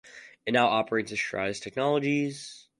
It now operates as Stratus Technologies.